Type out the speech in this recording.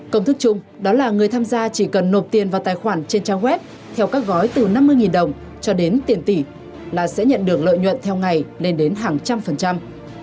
công thức chung đó là người tham gia chỉ cần nộp tiền vào tài khoản trên trang web theo các gói từ năm mươi đồng cho đến tiền tỷ là sẽ nhận được lợi nhuận theo ngày lên đến hàng trăm phần trăm